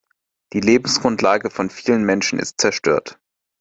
Die Lebensgrundlage von vielen Menschen ist zerstört.